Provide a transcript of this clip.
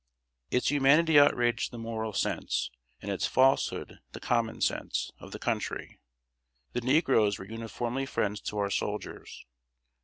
Its inhumanity outraged the moral sense, and its falsehood the common sense, of the country. The negroes were uniformly friends to our soldiers.